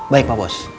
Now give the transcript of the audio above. baik pak bos